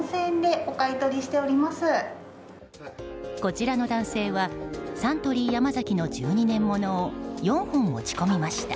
こちらの男性はサントリー山崎の１２年物を４本持ち込みました。